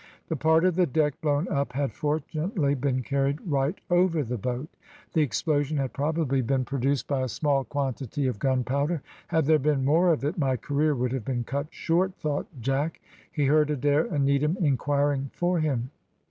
The part of the deck blown up had fortunately been carried right over the boat. The explosion had probably been produced by a small quantity of gunpowder. "Had there been more of it my career would have been cut short," thought Jack. He heard Adair and Needham inquiring for him.